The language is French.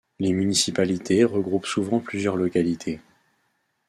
Les municipalités regroupent souvent plusieurs localités.